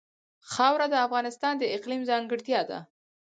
خاوره د افغانستان د اقلیم ځانګړتیا ده.